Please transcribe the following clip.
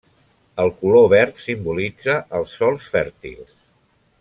El color verd simbolitza els sòls fèrtils.